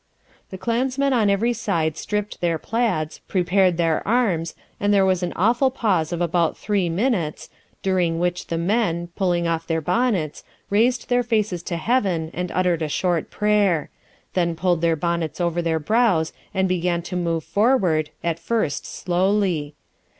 The clansmen on every side stript their plaids, prepared their arms, and there was an awful pause of about three minutes, during which the men, pulling off their bonnets, raised their faces to heaven and uttered a short prayer; then pulled their bonnets over their brows and began to move forward, at first slowly.